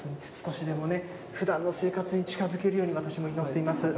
本当に少しでも、ふだんの生活に近づけるように、私も祈っています。